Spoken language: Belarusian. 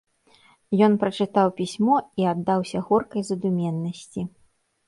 Ён прачытаў пісьмо і аддаўся горкай задуменнасці.